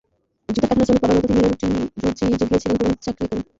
জুতার কারখানার শ্রমিক বাবার মতো তিনিও রুটি-রুজি জুগিয়েছিলেন কেরানির চাকরি করে।